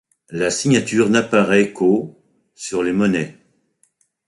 La signature n'apparaît qu'au sur les monnaies.